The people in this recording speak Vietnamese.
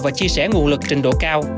và chia sẻ nguồn lực trình độ cao